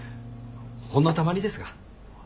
ほんのたまにですが。